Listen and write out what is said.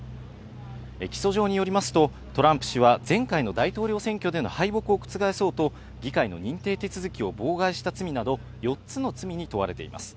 起訴状によりますと、トランプ氏は前回の大統領選挙での敗北を覆そうと議会の認定手続きを妨害した罪など４つの罪に問われています。